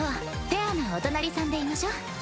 フェアなお隣さんでいましょ。